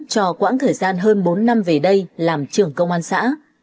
cho quãng thời gian hơn bốn năm về đây làm trưởng công an xã